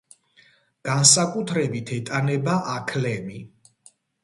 განსაკუთრებით ეტანება აქლემი.